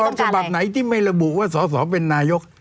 ฉบับไหนที่ไม่ระบุว่าสอสอเป็นนายก